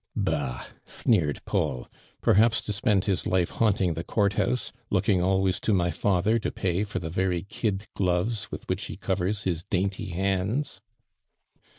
'' "Bah!" sneered Paul. " Perhaps to spend his life haunting the court house, looking always to my fatlier to pay for the very kid gloves with which he covers his dainty hands.''